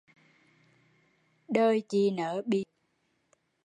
Đời chị nớ bị bầm giập thiệt tội